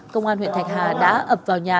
công an huyện thạch hà đã ập vào nhà